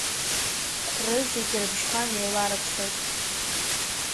Рызегь рыбжьқәа неиларыԥсоит…